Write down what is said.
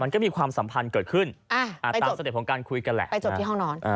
มันก็มีความสัมพันธ์เกิดขึ้นไปจบที่ห้องนอน